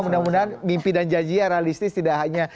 mudah mudahan mimpi dan janji yang realistis ya